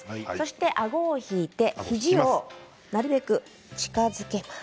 あごを引いて肘をなるべく近づけます。